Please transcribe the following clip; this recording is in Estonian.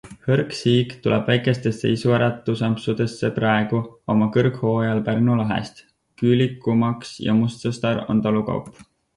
Hõrk siig tuleb väikestesse isuäratusampsudesse praegu, oma kõrghooajal Pärnu lahest, küülikumaks ja mustsõstar on talukaup.